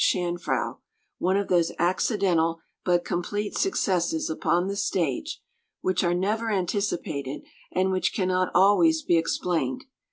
Chanfrau one of those accidental but complete successes upon the stage which are never anticipated, and which cannot always be explained.